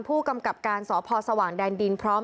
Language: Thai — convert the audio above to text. ผู้กำกับการสพสว่างแดนดินพร้อม